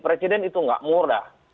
presiden itu nggak murah